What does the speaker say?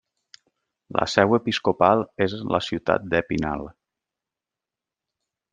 La seu episcopal és la ciutat d'Épinal.